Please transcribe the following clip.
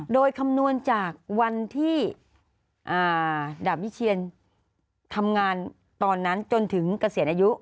โดยคำนวณจากวันที่ดาบวิเชียนทำงานตอนนั้นจนถึงเกษียณอายุ